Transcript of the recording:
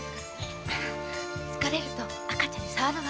疲れると赤ちゃんに障るわ。